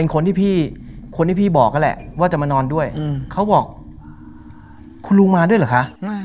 เขาบอกคุณลุงมาด้วยเหรอคะ